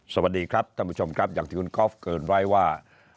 สวัสดีครับท่านผู้ชมครับอย่างที่คุณก๊อฟเกินไว้ว่า